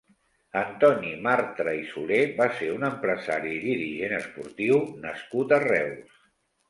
Antoni Martra i Solé va ser un empresari i dirigent esportiu nascut a Reus.